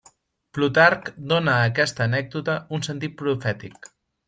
Plutarc dóna a aquesta anècdota un sentit profètic.